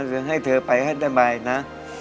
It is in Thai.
จะให้เธอไปให้สบายนะ